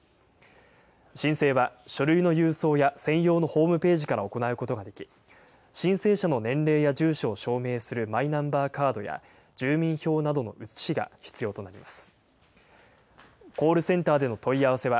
申請は書類の郵送や専用のホームページから行うことができ、申請者の年齢や住所を証明するマイナンバーカードや住民票などの写しが必要となります。